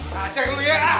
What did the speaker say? nah cek dulu ya